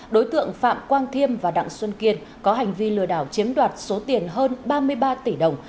đối tượng phạm quang thiêm và đặng xuân kiên có hành vi lừa đảo chiếm đoạt số tiền hơn ba mươi ba tỷ đồng